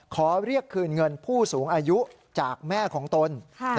ขอเรียกคืนเงินผู้สูงอายุจากแม่ของตน